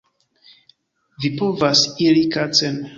Vi povas iri kacen